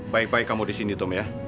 baik baik kamu disini tom ya